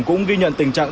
cũng ghi nhận tình trạng